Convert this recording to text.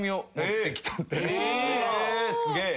えすげえ。